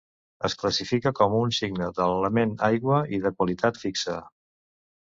Es classifica com un signe de l'element aigua i de qualitat fixa.